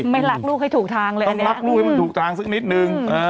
ไม่รักลูกให้ถูกทางเลยอันนี้รักลูกให้มันถูกทางสักนิดนึง